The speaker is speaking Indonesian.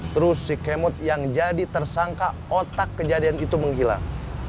terus si kemot yang jadi tersangka otak kejadian itu menghilang